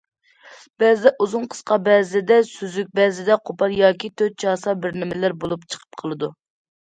بەزىدە ئۇزۇن- قىسقا، بەزىدە سۈزۈك، بەزىدە قوپال ياكى تۆت چاسا بىرنېمىلەر بولۇپ چىقىپ قالىدۇ.